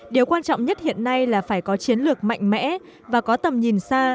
điều quan trọng nhất hiện nay là phải có chiến lược mạnh mẽ và có tầm nhìn xa